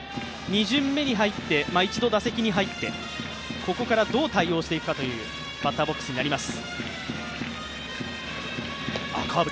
２巡目に入って、一度打席に入って、ここからどう対応していくかというバッターボックスになります。